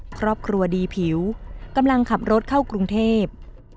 ครอบครัวดีผิวกำลังขับรถเข้ากรุงเทพ